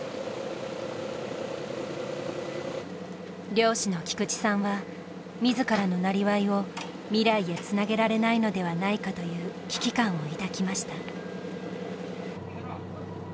漁師の菊地さんは自らのなりわいを未来へつなげられないのではないかという危機感を抱きました。